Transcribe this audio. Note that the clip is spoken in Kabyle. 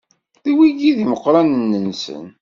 D wigi i d imeqranen-nsen.